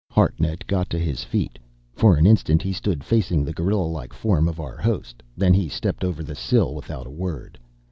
Hartnett got to his feet. For an instant he stood facing the gorilla like form of our host; then he stepped over the sill, without a word.